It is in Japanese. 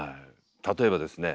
例えばですね